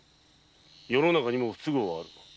世の中にも不都合はある。